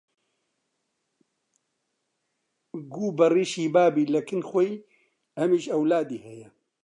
گوو بەڕیش بابی لە کن خۆی ئەمیش ئەولادی هەیە